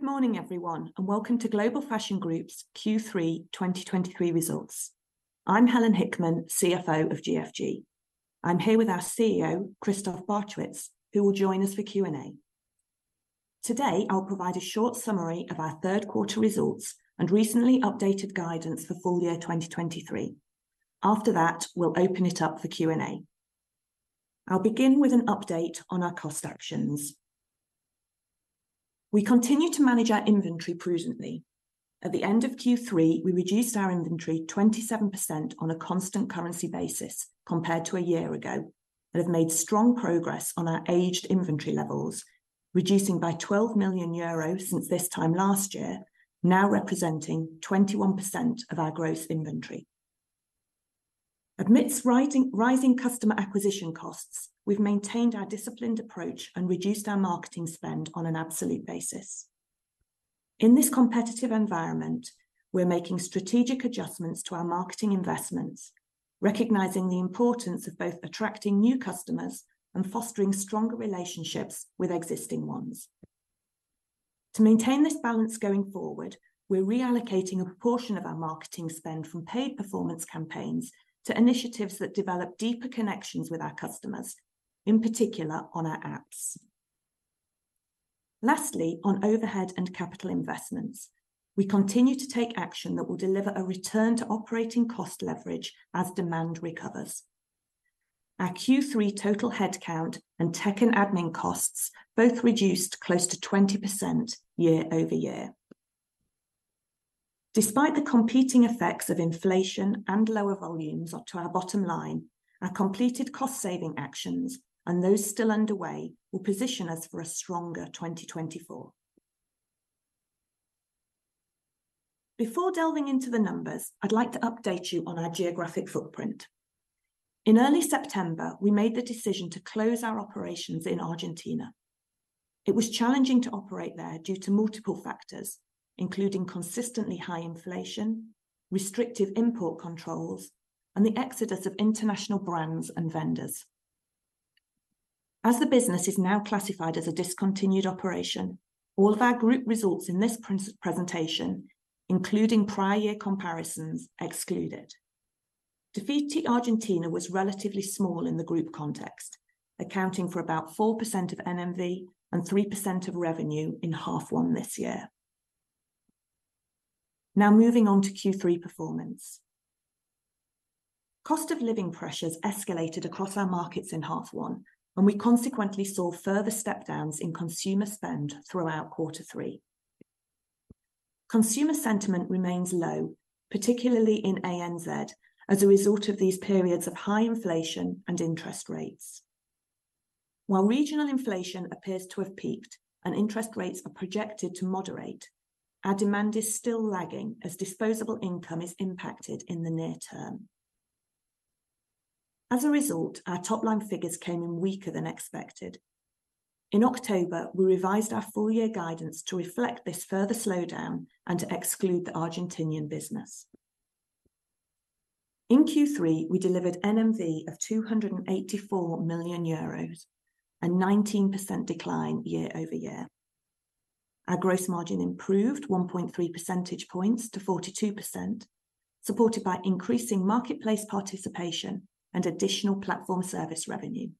Good morning, everyone, and welcome to Global Fashion Group's Q3 2023 results. I'm Helen Hickman, CFO of GFG. I'm here with our CEO, Christoph Barchewitz, who will join us for Q&A. Today, I'll provide a short summary of our third quarter results and recently updated guidance for full year 2023. After that, we'll open it up for Q&A. I'll begin with an update on our cost actions. We continue to manage our inventory prudently. At the end of Q3, we reduced our inventory 27% on a constant currency basis compared to a year ago, and have made strong progress on our aged inventory levels, reducing by 12 million euros since this time last year, now representing 21% of our gross inventory. Amidst rising, rising customer acquisition costs, we've maintained our disciplined approach and reduced our marketing spend on an absolute basis. In this competitive environment, we're making strategic adjustments to our marketing investments, recognizing the importance of both attracting new customers and fostering stronger relationships with existing ones. To maintain this balance going forward, we're reallocating a proportion of our marketing spend from paid performance campaigns to initiatives that develop deeper connections with our customers, in particular on our apps. Lastly, on overhead and capital investments, we continue to take action that will deliver a return to operating cost leverage as demand recovers. Our Q3 total headcount and tech and admin costs both reduced close to 20% year-over-year. Despite the competing effects of inflation and lower volumes to our bottom line, our completed cost-saving actions and those still underway will position us for a stronger 2024. Before delving into the numbers, I'd like to update you on our geographic footprint. In early September, we made the decision to close our operations in Argentina. It was challenging to operate there due to multiple factors, including consistently high inflation, restrictive import controls, and the exodus of international brands and vendors. As the business is now classified as a discontinued operation, all of our group results in this presentation, including prior year comparisons, exclude it. Dafiti Argentina was relatively small in the group context, accounting for about 4% of NMV and 3% of revenue in half one this year. Now, moving on to Q3 performance. Cost of living pressures escalated across our markets in half one, and we consequently saw further step downs in consumer spend throughout quarter three. Consumer sentiment remains low, particularly in ANZ, as a result of these periods of high inflation and interest rates. While regional inflation appears to have peaked and interest rates are projected to moderate, our demand is still lagging as disposable income is impacted in the near term. As a result, our top-line figures came in weaker than expected. In October, we revised our full year guidance to reflect this further slowdown and to exclude the Argentinian business. In Q3, we delivered NMV of 284 million euros, a 19% decline year-over-year. Our gross margin improved 1.3 percentage points to 42%, supported by increasing marketplace participation and additional platform service revenue.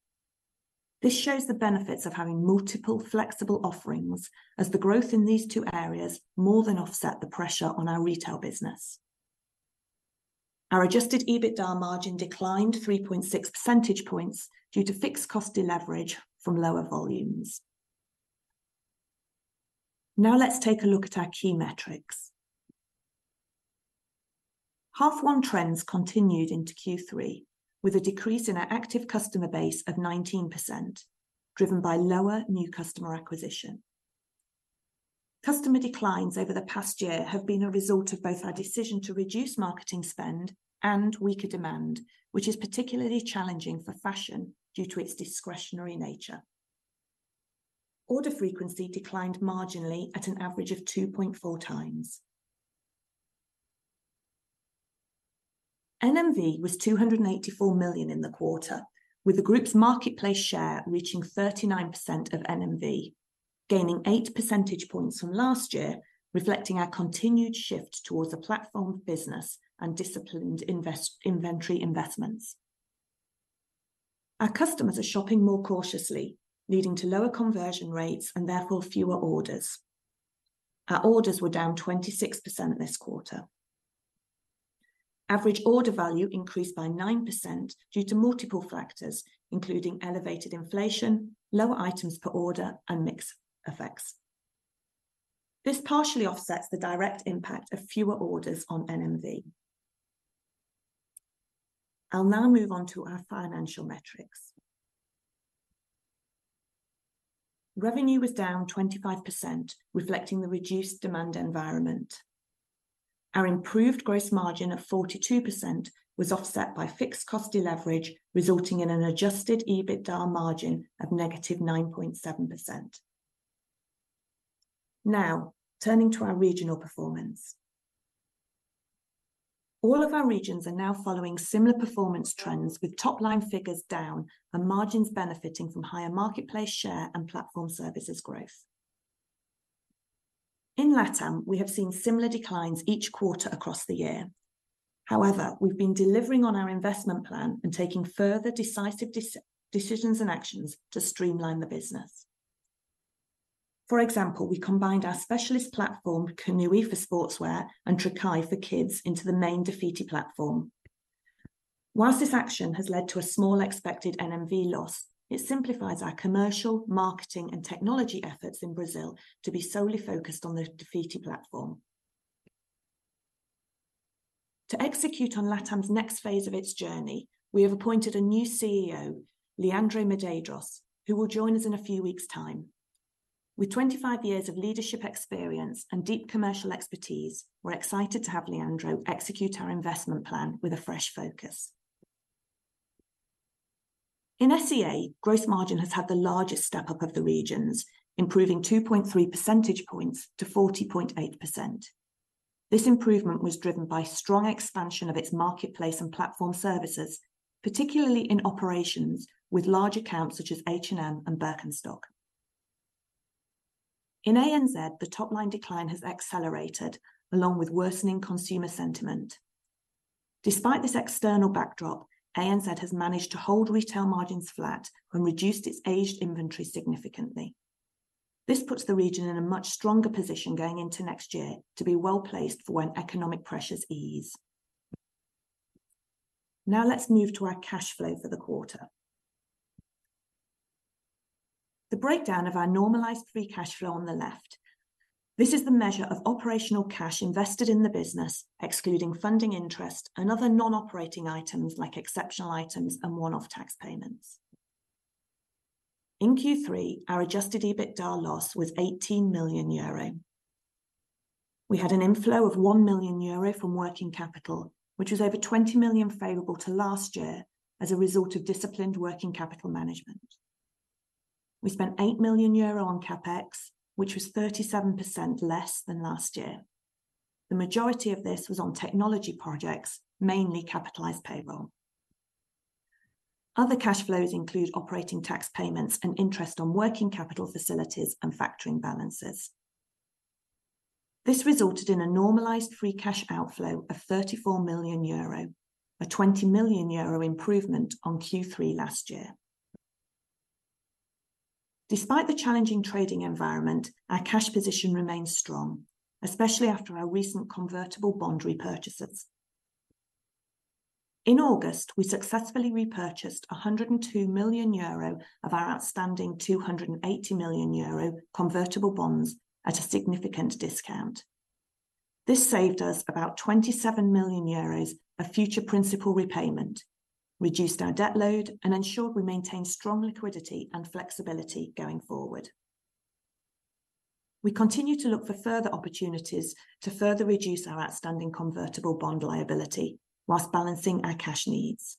This shows the benefits of having multiple flexible offerings as the growth in these two areas more than offset the pressure on our retail business. Our adjusted EBITDA margin declined 3.6 percentage points due to fixed cost deleverage from lower volumes. Now let's take a look at our key metrics. H1 trends continued into Q3, with a decrease in our active customer base of 19%, driven by lower new customer acquisition. Customer declines over the past year have been a result of both our decision to reduce marketing spend and weaker demand, which is particularly challenging for fashion due to its discretionary nature. Order frequency declined marginally at an average of 2.4 times. NMV was 284 million in the quarter, with the group's marketplace share reaching 39% of NMV, gaining 8 percentage points from last year, reflecting our continued shift towards a platform business and disciplined inventory investments. Our customers are shopping more cautiously, leading to lower conversion rates and therefore fewer orders. Our orders were down 26% this quarter. Average order value increased by 9% due to multiple factors, including elevated inflation, lower items per order, and mix effects. This partially offsets the direct impact of fewer orders on NMV. I'll now move on to our financial metrics. Revenue was down 25%, reflecting the reduced demand environment. Our improved gross margin of 42% was offset by fixed cost deleverage, resulting in an adjusted EBITDA margin of -9.7%. Now, turning to our regional performance. All of our regions are now following similar performance trends, with top-line figures down and margins benefiting from higher marketplace share and platform services growth. In LATAM, we have seen similar declines each quarter across the year. However, we've been delivering on our investment plan and taking further decisive decisions and actions to streamline the business. For example, we combined our specialist platform, Kanui, for sportswear, and Tricae for kids into the main Dafiti platform. While this action has led to a small expected NMV loss, it simplifies our commercial, marketing, and technology efforts in Brazil to be solely focused on the Dafiti platform. To execute on LATAM's next phase of its journey, we have appointed a new CEO, Leandro Medeiros, who will join us in a few weeks' time. With 25 years of leadership experience and deep commercial expertise, we're excited to have Leandro execute our investment plan with a fresh focus. In SEA, gross margin has had the largest step-up of the regions, improving 2.3 percentage points to 40.8%. This improvement was driven by strong expansion of its marketplace and platform services, particularly in operations with large accounts such as H&M and Birkenstock. In ANZ, the top-line decline has accelerated, along with worsening consumer sentiment. Despite this external backdrop, ANZ has managed to hold retail margins flat and reduced its aged inventory significantly. This puts the region in a much stronger position going into next year to be well-placed for when economic pressures ease. Now let's move to our cash flow for the quarter. The breakdown of our normalized free cash flow on the left. This is the measure of operational cash invested in the business, excluding funding interest and other non-operating items like exceptional items and one-off tax payments. In Q3, our adjusted EBITDA loss was 18 million euro. We had an inflow of 1 million euro from working capital, which was over 20 million favorable to last year as a result of disciplined working capital management. We spent 8 million euro on CapEx, which was 37% less than last year. The majority of this was on technology projects, mainly capitalized payroll. Other cash flows include operating tax payments and interest on working capital facilities and factoring balances. This resulted in a normalized free cash outflow of 34 million euro, a 20 million euro improvement on Q3 last year. Despite the challenging trading environment, our cash position remains strong, especially after our recent convertible bond repurchases. In August, we successfully repurchased 102 million euro of our outstanding 280 million euro convertible bonds at a significant discount. This saved us about 27 million euros of future principal repayment, reduced our debt load, and ensured we maintain strong liquidity and flexibility going forward. We continue to look for further opportunities to further reduce our outstanding convertible bond liability whilst balancing our cash needs.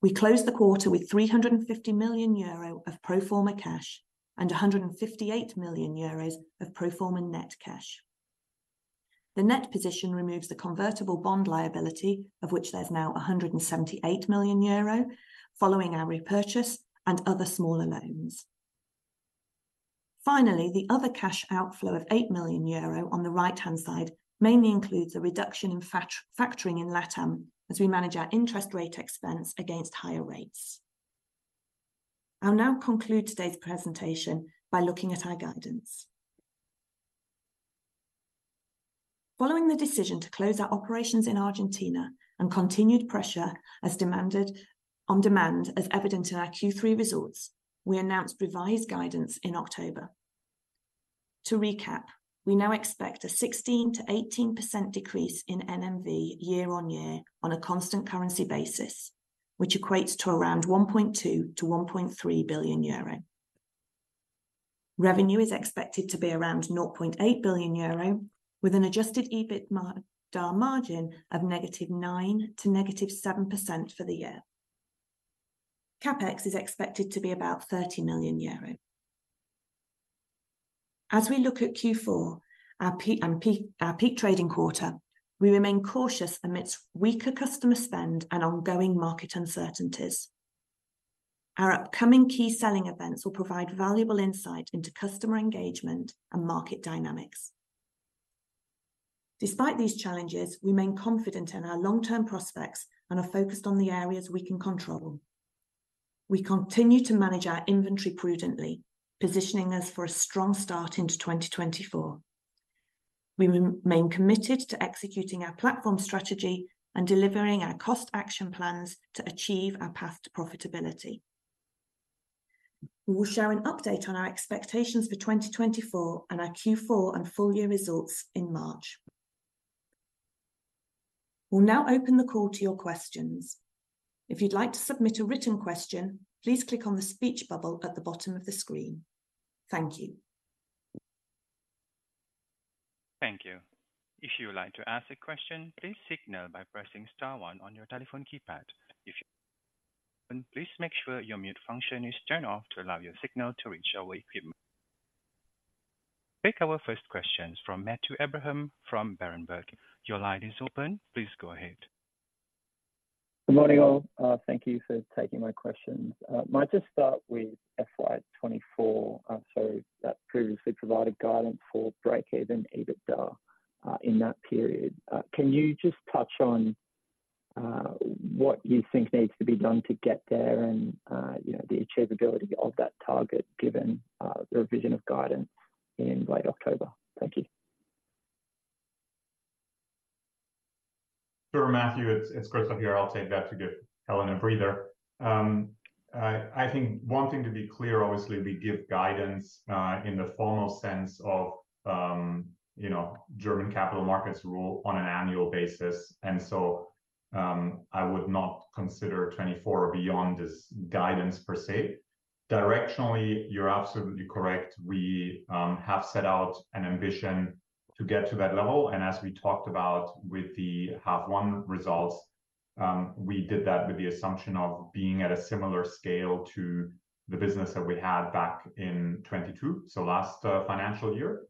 We closed the quarter with 350 million euro of pro forma cash and 158 million euros of pro forma net cash. The net position removes the convertible bond liability, of which there's now 178 million euro following our repurchase and other smaller loans. Finally, the other cash outflow of 8 million euro on the right-hand side mainly includes a reduction in factoring in LATAM as we manage our interest rate expense against higher rates. I'll now conclude today's presentation by looking at our guidance. Following the decision to close our operations in Argentina and continued pressure on demand, as evidenced in our Q3 results, we announced revised guidance in October. To recap, we now expect a 16%-18% decrease in NMV year-on-year on a constant currency basis, which equates to around 1.2 billion-1.3 billion euro. Revenue is expected to be around 0.8 billion euro, with an adjusted EBITDA margin of -9% to -7% for the year. CapEx is expected to be about 30 million euros. As we look at Q4, our peak and peak, our peak trading quarter, we remain cautious amidst weaker customer spend and ongoing market uncertainties. Our upcoming key selling events will provide valuable insight into customer engagement and market dynamics. Despite these challenges, we remain confident in our long-term prospects and are focused on the areas we can control. We continue to manage our inventory prudently, positioning us for a strong start into 2024. We remain committed to executing our platform strategy and delivering our cost action plans to achieve our path to profitability. We will share an update on our expectations for 2024 and our Q4 and full-year results in March. We'll now open the call to your questions. If you'd like to submit a written question, please click on the speech bubble at the bottom of the screen. Thank you. Thank you. If you would like to ask a question, please signal by pressing star one on your telephone keypad. Please make sure your mute function is turned off to allow your signal to reach our equipment. Take our first question from Matthew Abraham from Berenberg. Your line is open. Please go ahead. Good morning, all. Thank you for taking my questions. Might just start with FY 2024. So that previously provided guidance for break-even EBITDA in that period. Can you just touch on what you think needs to be done to get there and, you know, the achievability of that target, given the revision of guidance in late October? Thank you. Sure, Matthew, it's Christoph here. I'll take that to give Helen a breather. I think one thing to be clear, obviously, we give guidance in the formal sense of, you know, German capital markets rule on an annual basis. And so, I would not consider 2024 beyond this guidance per se. Directionally, you're absolutely correct. We have set out an ambition to get to that level, and as we talked about with the half one results, we did that with the assumption of being at a similar scale to the business that we had back in 2022, so last financial year.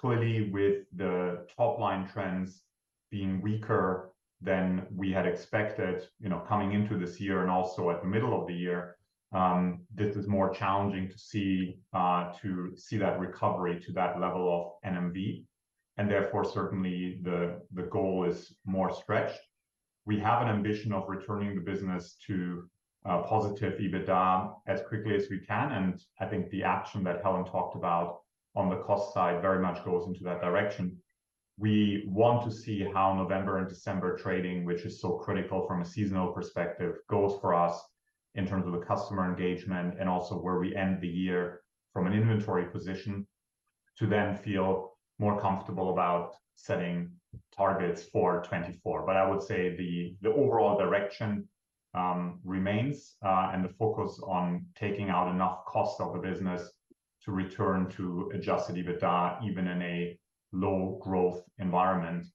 Clearly, with the top-line trends being weaker than we had expected, you know, coming into this year and also at the middle of the year, this is more challenging to see that recovery to that level of NMV, and therefore, certainly the goal is more stretched. We have an ambition of returning the business to positive EBITDA as quickly as we can, and I think the action that Helen talked about on the cost side very much goes into that direction. We want to see how November and December trading, which is so critical from a seasonal perspective, goes for us in terms of the customer engagement and also where we end the year from an inventory position, to then feel more comfortable about setting targets for 2024. But I would say the overall direction remains, and the focus on taking out enough cost of the business to return to adjusted EBITDA, even in a low growth environment,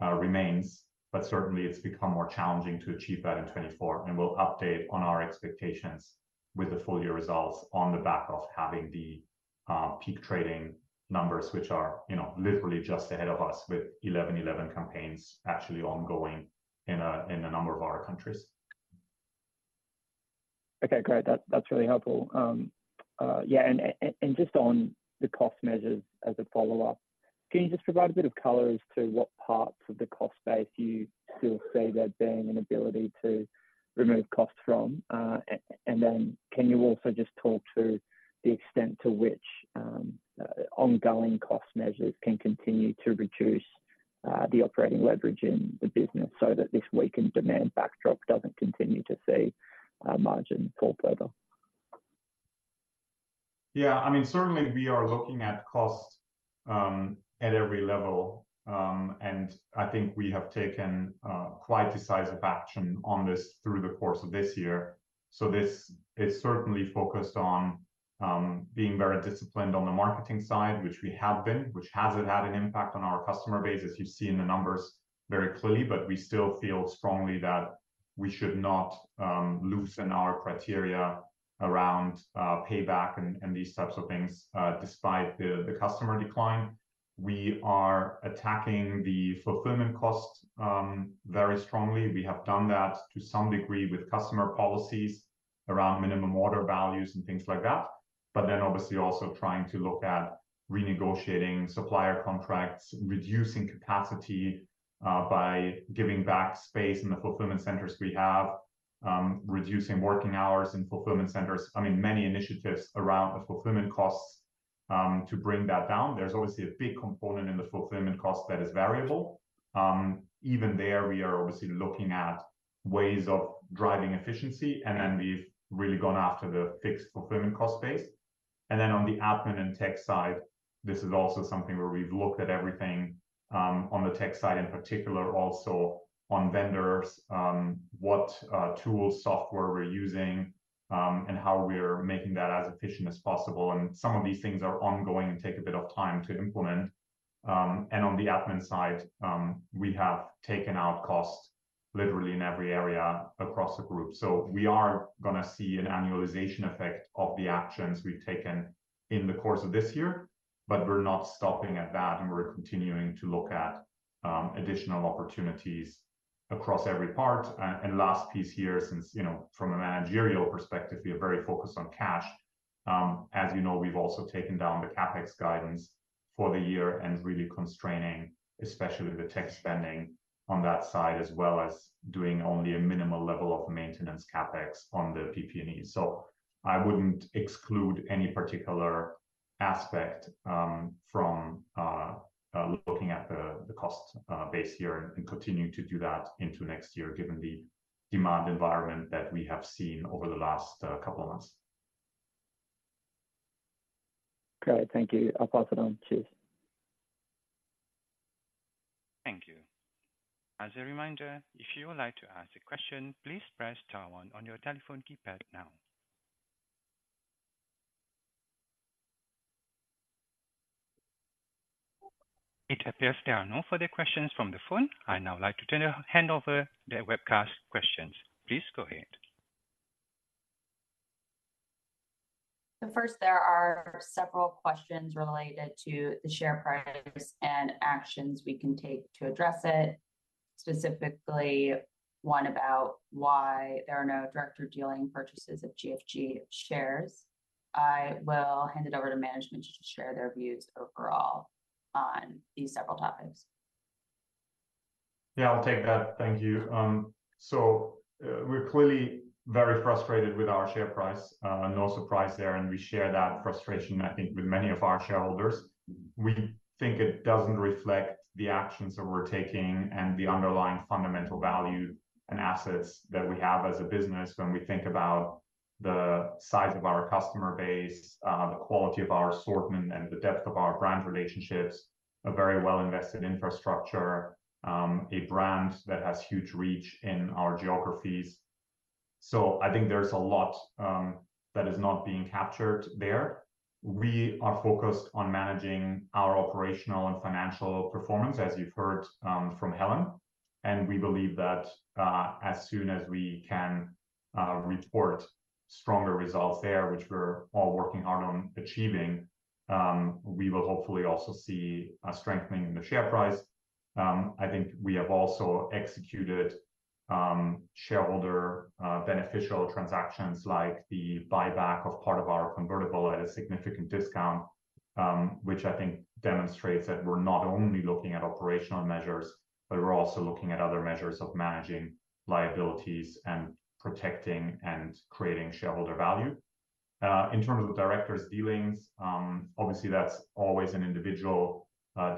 remains. But certainly, it's become more challenging to achieve that in 2024, and we'll update on our expectations with the full year results on the back of having the peak trading numbers, which are, you know, literally just ahead of us, with 11/11 campaigns actually ongoing in a number of our countries. Okay, great. That's, that's really helpful. Yeah, and just on the cost measures as a follow-up, can you just provide a bit of color as to what parts of the cost base you still see there being an ability to remove costs from? And then can you also just talk to the extent to which ongoing cost measures can continue to reduce the operating leverage in the business, so that this weakened demand backdrop doesn't continue to see margin fall further? Yeah, I mean, certainly we are looking at costs at every level. And I think we have taken quite decisive action on this through the course of this year. So this is certainly focused on being very disciplined on the marketing side, which we have been, which hasn't had an impact on our customer base, as you've seen the numbers very clearly. But we still feel strongly that we should not loosen our criteria around payback and these types of things despite the customer decline. We are attacking the fulfillment costs very strongly. We have done that to some degree with customer policies around minimum order values and things like that. But then obviously also trying to look at renegotiating supplier contracts, reducing capacity, by giving back space in the fulfillment centers we have, reducing working hours in fulfillment centers. I mean, many initiatives around the fulfillment costs to bring that down. There's obviously a big component in the fulfillment cost that is variable. Even there, we are obviously looking at ways of driving efficiency, and then we've really gone after the fixed fulfillment cost base. And then on the admin and tech side, this is also something where we've looked at everything, on the tech side in particular, also on vendors, what tools, software we're using, and how we're making that as efficient as possible. And some of these things are ongoing and take a bit of time to implement. And on the admin side, we have taken out costs literally in every area across the group. So we are gonna see an annualization effect of the actions we've taken in the course of this year, but we're not stopping at that, and we're continuing to look at additional opportunities across every part. Last piece here, since, you know, from a managerial perspective, we are very focused on cash. As you know, we've also taken down the CapEx guidance for the year and really constraining, especially the tech spending on that side, as well as doing only a minimal level of maintenance CapEx on the PPE. So I wouldn't exclude any particular aspect from looking at the cost base year and continuing to do that into next year, given the demand environment that we have seen over the last couple of months. Great. Thank you. I'll pass it on. Cheers. Thank you. As a reminder, if you would like to ask a question, please press star one on your telephone keypad now. ... It appears there are no further questions from the phone. I'd now like to turn, hand over the webcast questions. Please go ahead. So first, there are several questions related to the share price and actions we can take to address it, specifically one about why there are no director dealing purchases of GFG shares. I will hand it over to management to share their views overall on these several topics. Yeah, I'll take that. Thank you. So, we're clearly very frustrated with our share price, no surprise there, and we share that frustration, I think, with many of our shareholders. We think it doesn't reflect the actions that we're taking and the underlying fundamental value and assets that we have as a business when we think about the size of our customer base, the quality of our assortment, and the depth of our brand relationships, a very well-invested infrastructure, a brand that has huge reach in our geographies. So I think there's a lot, that is not being captured there. We are focused on managing our operational and financial performance, as you've heard, from Helen. We believe that, as soon as we can, report stronger results there, which we're all working hard on achieving, we will hopefully also see a strengthening in the share price. I think we have also executed, shareholder beneficial transactions, like the buyback of part of our convertible at a significant discount, which I think demonstrates that we're not only looking at operational measures, but we're also looking at other measures of managing liabilities and protecting and creating shareholder value. In terms of the directors' dealings, obviously, that's always an individual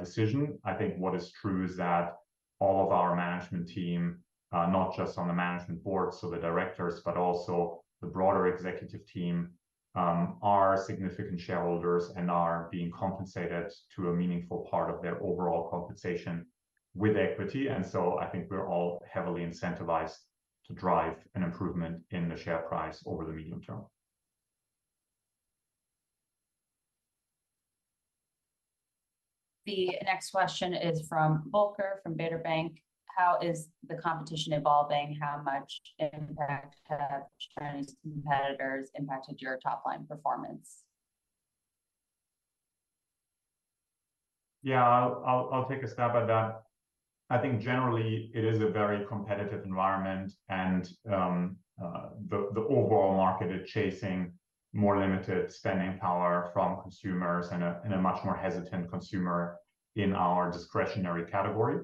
decision. I think what is true is that all of our management team, not just on the management board, so the directors, but also the broader executive team, are significant shareholders and are being compensated to a meaningful part of their overall compensation with equity. I think we're all heavily incentivized to drive an improvement in the share price over the medium term. The next question is from Volker, from Baader Bank: How is the competition evolving? How much impact have Chinese competitors impacted your top-line performance? Yeah, I'll take a stab at that. I think generally it is a very competitive environment, and the overall market is chasing more limited spending power from consumers and a much more hesitant consumer in our discretionary category.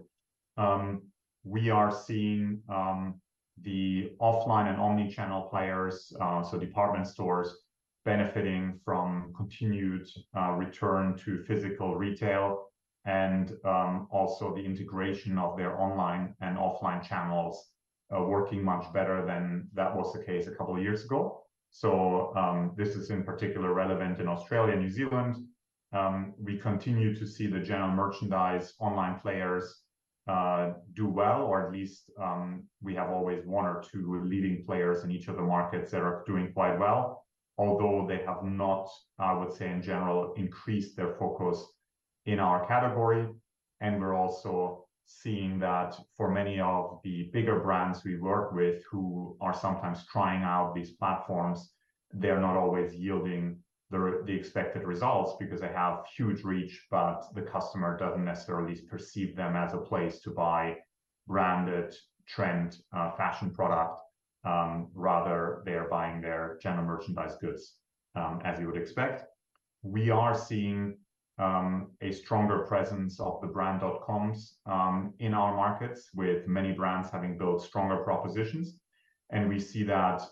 We are seeing the offline and omni-channel players, so department stores, benefiting from continued return to physical retail, and also the integration of their online and offline channels, working much better than that was the case a couple of years ago. So, this is, in particular, relevant in Australia and New Zealand. We continue to see the general merchandise online players do well, or at least, we have always one or two leading players in each of the markets that are doing quite well, although they have not, I would say, in general, increased their focus in our category. And we're also seeing that for many of the bigger brands we work with, who are sometimes trying out these platforms, they're not always yielding the expected results because they have huge reach, but the customer doesn't necessarily perceive them as a place to buy branded trend, fashion product. Rather, they're buying their general merchandise goods, as you would expect. We are seeing a stronger presence of the brand dot-coms in our markets, with many brands having built stronger propositions. We see that,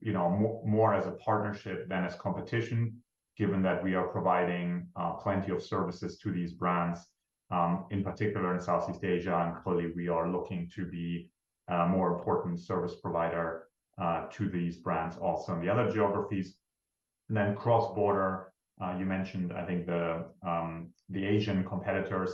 you know, more as a partnership than as competition, given that we are providing plenty of services to these brands, in particular in Southeast Asia. Clearly, we are looking to be a more important service provider to these brands also in the other geographies. Then cross-border, you mentioned, I think, the Asian competitors.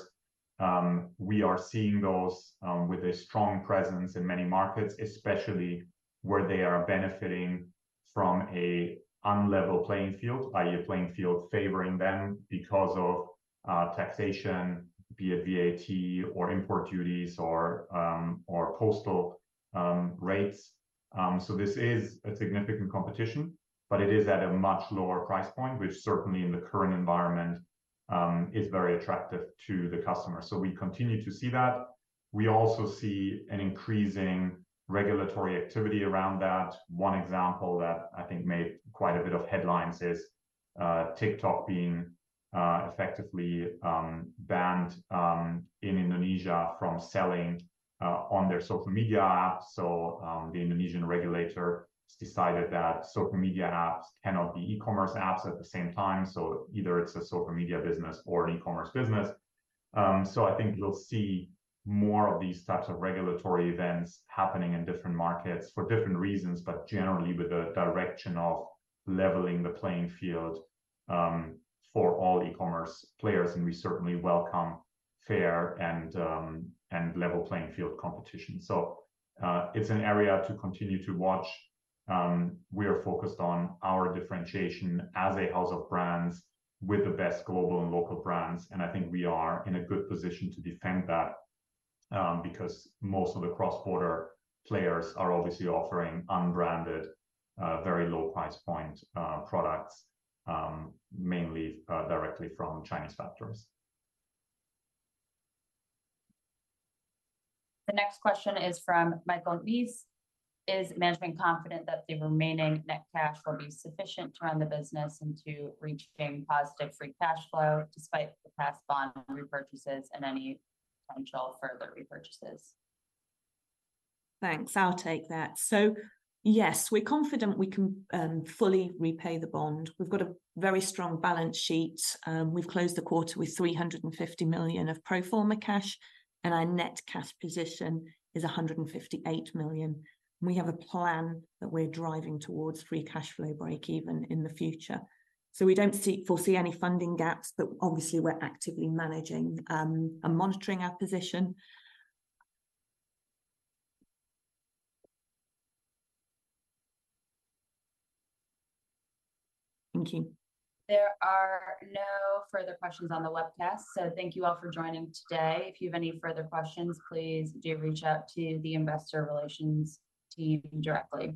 We are seeing those with a strong presence in many markets, especially where they are benefiting from an unlevel playing field, i.e., a playing field favoring them because of taxation, be it VAT or import duties or postal rates. So this is a significant competition, but it is at a much lower price point, which certainly in the current environment is very attractive to the customer. So we continue to see that. We also see an increasing regulatory activity around that. One example that I think made quite a bit of headlines is TikTok being effectively banned in Indonesia from selling on their social media app. So, the Indonesian regulator decided that social media apps cannot be e-commerce apps at the same time, so either it's a social media business or an e-commerce business. So I think you'll see more of these types of regulatory events happening in different markets for different reasons, but generally with a direction of leveling the playing field for all e-commerce players, and we certainly welcome fair and level playing field competition. So, it's an area to continue to watch. We are focused on our differentiation as a house of brands with the best global and local brands, and I think we are in a good position to defend that, because most of the cross-border players are obviously offering unbranded, very low price point, products, mainly, directly from Chinese factories. The next question is from Michael Nies: Is management confident that the remaining net cash will be sufficient to run the business and to reach a positive free cash flow, despite the past bond repurchases and any potential further repurchases? Thanks. I'll take that. So yes, we're confident we can fully repay the bond. We've got a very strong balance sheet. We've closed the quarter with 350 million of pro forma cash, and our net cash position is 158 million. We have a plan that we're driving towards free cash flow breakeven in the future. So we don't see, foresee any funding gaps, but obviously, we're actively managing and monitoring our position. Thank you. There are no further questions on the webcast, so thank you all for joining today. If you have any further questions, please do reach out to the investor relations team directly.